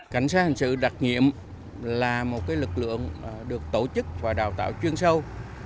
cảnh sát hành sự đặc nhiệm là một lực lượng được tổ chức và đào tạo chuyên sâu